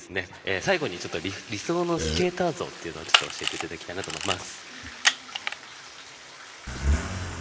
最後に理想のスケーター像をちょっと教えていただきたいなと思います。